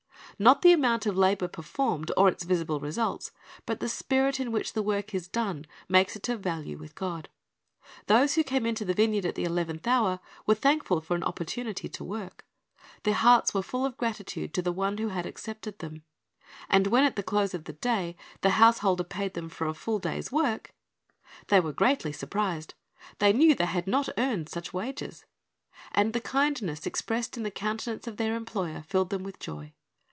^ Not the amount of labor performed, or its visible results, but the spirit in which the work is done, makes it of value with God. Those who came into the vineyard at the eleventh hour were thankful for an opportunity to work. Their hearts were full of gratitude to the one who had accepted them; and when at the close of the day the householder paid them for a full day's work, they were llsa.55:8,9 ^Eph. 3 : ii ; Titus 3 : 5 3Eph.3:20 398 Chri s t' s bj c c t Lessons greatly surprised. They knew they had not earned such wages. And the kindness expressed in the countenance of their employer filled them with joy.